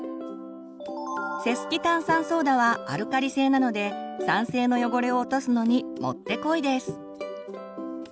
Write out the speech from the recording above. セスキ炭酸ソーダはアルカリ性なので酸性の汚れを落とすのにもってこいです！